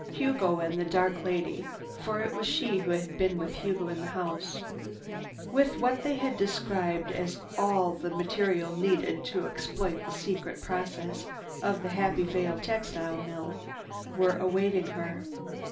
Hugo and the dark lady—for it was she who had been with Hugo in the house—with what they had described as all the material needed to exploit the secret process of the Happy Vale textile mill, were awaiting her.